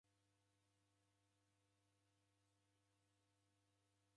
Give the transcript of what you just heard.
Malagho ghose ni mboa mboa.